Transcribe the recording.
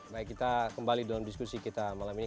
baik kita kembali dalam diskusi kita malam ini